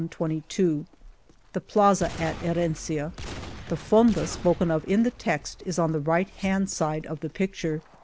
121 The plaza at Herencia. The fonda spoken of in the text is on the right hand side of the picture.